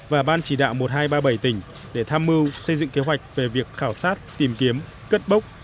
và ban chỉ đạo một nghìn hai trăm ba mươi bảy tỉnh để tham mưu xây dựng kế hoạch về việc khảo sát tìm kiếm cất bốc